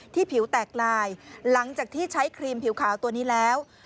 ผิวแตกลายหลังจากที่ใช้ครีมผิวขาวตัวนี้แล้ว